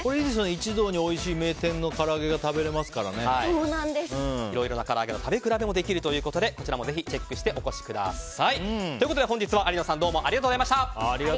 一堂に、おいしい名店のいろいろなから揚げの食べ比べもできるのでこちらもぜひチェックして「『クイックル』で良くない？」